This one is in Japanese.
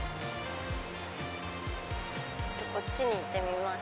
こっちに行ってみます。